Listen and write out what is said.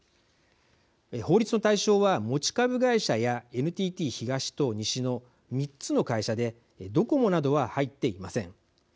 法律の対象は、持ち株会社やＮＴＴ東と西の３つの会社でドコモなどは入っていません。